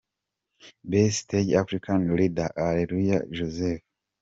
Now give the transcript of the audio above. Best stage African rider: Areruya Joseph.